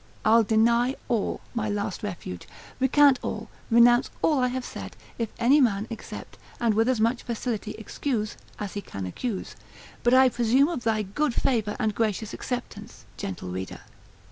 I'll deny all (my last refuge), recant all, renounce all I have said, if any man except, and with as much facility excuse, as he can accuse; but I presume of thy good favour, and gracious acceptance (gentle reader).